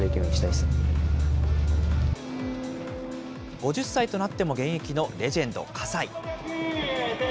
５０歳となっても現役のレジェンド、葛西。